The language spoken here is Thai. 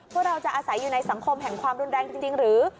พวกเราจะอาศัยอยู่ในสังคมแห่งความรุนแรงจริงหรือ